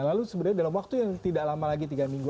lalu sebenarnya dalam waktu yang tidak lama lagi tiga minggu